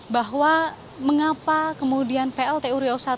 bahwa mengapa kemudian pltu riau satu